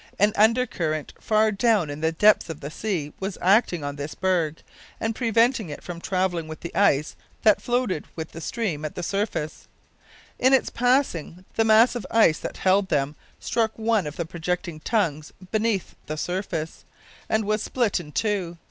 An undercurrent, far down in the depths of the sea, was acting on this berg, and preventing it from travelling with the ice that floated with the stream at the surface. In its passing, the mass of ice that held them struck one of the projecting tongues beneath the surface, and was split in two.